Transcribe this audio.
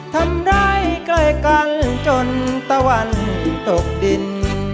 ทำได้ใกล้กันจนตะวันตกดิน